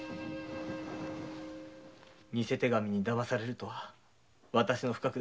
偽手紙に騙されるとは私の不覚。